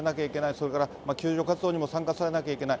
それから救助活動にも参加されなきゃいけない。